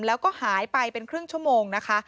แล้วก็หายไปเป็นครึ่งชั่วโมงนะคะ